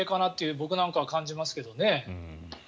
僕なんかは感じますけどね。